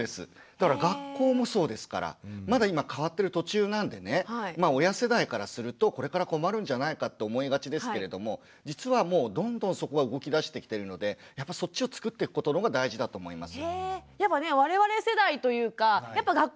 だから学校もそうですから。まだ今変わってる途中なんでね親世代からするとこれから困るんじゃないかって思いがちですけれども実はもうどんどんそこが動きだしてきてるのでやっぱそっちをつくってくことのほうが大事だと思います。